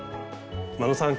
眞野さん